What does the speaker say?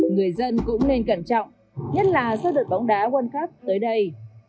người dân cũng nên cẩn trọng nhất là giữa đợt bóng đá quân khắp tới đây